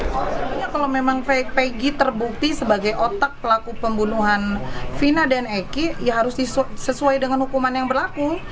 sebenarnya kalau memang peggy terbukti sebagai otak pelaku pembunuhan vina dan eki ya harus sesuai dengan hukuman yang berlaku